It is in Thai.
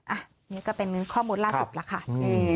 อันนี้ก็เป็นข้อมูลล่าสุดแล้วค่ะ